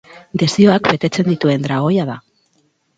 Desioak betetzen dituen dragoia da.